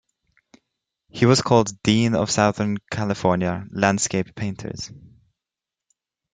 He was called the Dean of Southern California landscape painters.